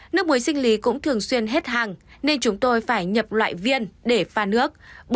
nước muối sinh lý cũng thường xuyên hết hàng nên chúng tôi phải nhập loại viên để pha nước